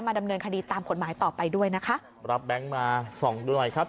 ดำเนินคดีตามกฎหมายต่อไปด้วยนะคะรับแบงค์มาส่องดูหน่อยครับ